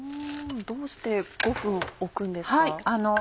どうして５分置くんですか？